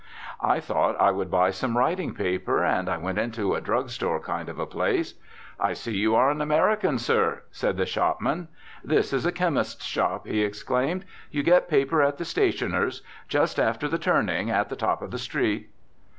I thought I would buy some writing paper and I went into a drug store kind of a place. "I see you are an American, sir," said the shopman. "This is a chemist's shop," he explained; "you get paper at the stationer's, just after the turning, at the top of the street."